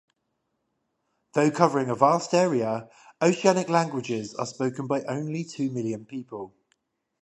Though covering a vast area, Oceanic languages are spoken by only two million people.